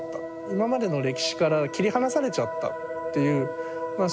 今までの歴史から切り離されちゃったっていうまあ